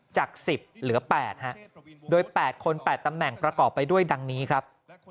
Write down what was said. จาก๑๐เหลือ๘โดย๘คน๘ตำแหน่งประกอบไปด้วยดังนี้ครับ